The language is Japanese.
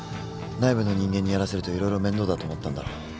内部の人間にやらせると色々面倒だと思ったんだろ。